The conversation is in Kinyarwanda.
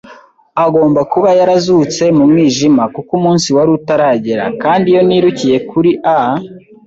Agomba kuba yarazutse mu mwijima, kuko umunsi wari utaragera; kandi iyo nirukiye kuri a